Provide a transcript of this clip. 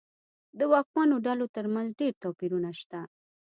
د واکمنو ډلو ترمنځ ډېر توپیرونه شته.